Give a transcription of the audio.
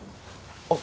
あっ！